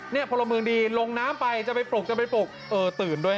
นี่พระมลิวนาทร์ดีลงน้ำไปจะไปปลุกตื่นด้วย